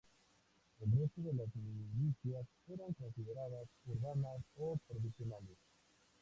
El resto de las milicias eran consideradas urbanas o provinciales.